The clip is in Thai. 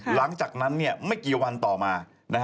หลังจากนั้นไม่กี่วันต่อมา